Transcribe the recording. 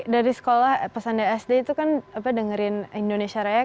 dari sekolah pas anda sd itu kan dengerin indonesia raya